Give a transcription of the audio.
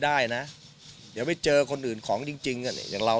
ได้นะเดี๋ยวไปเจอคนอื่นของจริงอย่างเรา